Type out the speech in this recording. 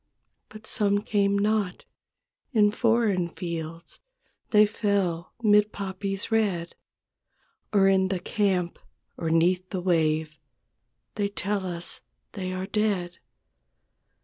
But some come not; in foreign fields They fell 'mid poppies red. Or in the camp or 'neath the wave; They tell us they are dead.